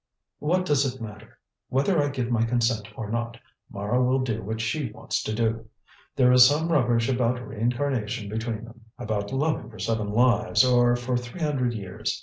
"What does it matter? Whether I give my consent or not, Mara will do what she wants to do. There is some rubbish about reincarnation between them about loving for seven lives, or for three hundred years.